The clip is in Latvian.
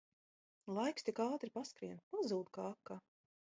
Laiks tik ātri paskrien, pazūd kā akā